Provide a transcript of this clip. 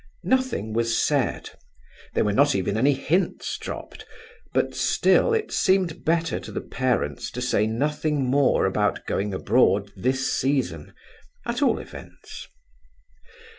Nothing was said; there were not even any hints dropped; but still, it seemed better to the parents to say nothing more about going abroad this season, at all events.